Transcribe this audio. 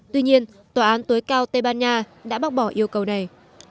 tuy nhiên tòa án tối cao tây ban nha đã bác bỏ yêu cầu này